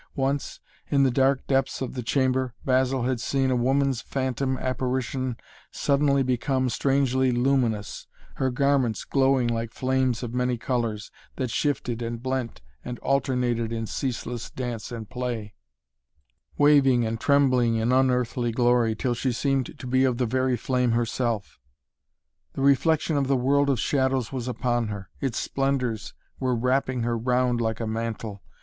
Once, in the dark depths of the chamber, Basil had seen a woman's phantom apparition suddenly become strangely luminous, her garments glowing like flames of many colors, that shifted and blent and alternated in ceaseless dance and play, waving and trembling in unearthly glory, till she seemed to be of the very flame herself. The reflection of the world of shadows was upon her; its splendors were wrapping her round like a mantle.